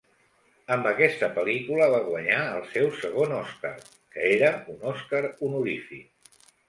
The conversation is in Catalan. Amb aquesta pel·lícula va guanyar el seu segon Oscar, que era un Oscar honorífic.